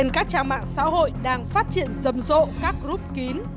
các trang mạng xã hội đang phát triển rầm rộ các group kín